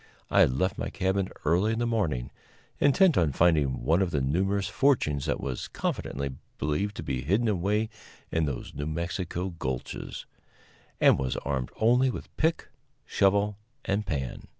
I had left my cabin early in the morning, intent on finding one of the numerous fortunes that was confidently believed to be hidden away in those New Mexico gulches, and was armed only with pick, shovel and pan.